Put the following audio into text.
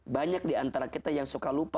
banyak diantara kita yang suka lupa